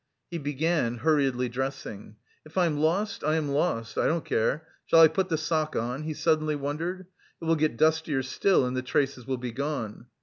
He began, hurriedly dressing. "If I'm lost, I am lost, I don't care! Shall I put the sock on?" he suddenly wondered, "it will get dustier still and the traces will be gone."